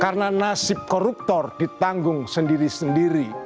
karena nasib koruptor ditanggung sendiri sendiri